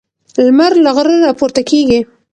لمر له غره راپورته کیږي.